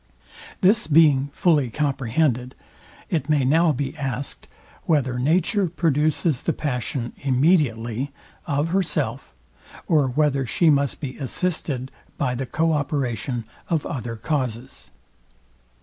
This being fully comprehended, it may now be asked, WHETHER NATURE PRODUCES THE PASSION IMMEDIATELY, OF HERSELF; OR WHETHER SHE MUST BE ASSISTED BY THE CO OPERATION OF OTHER CAUSES?